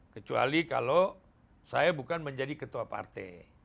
kecuali kalau saya bukan menjadi ketua partai